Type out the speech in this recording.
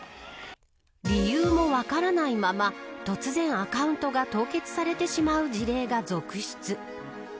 理由も分からないまま突然アカウントが凍結されてしまう事例が続出。